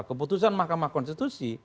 keputusan mahkamah konstitusi